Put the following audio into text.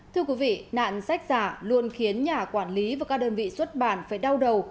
thưa quý vị nạn sách giả luôn khiến nhà quản lý và các đơn vị xuất bản phải đau đầu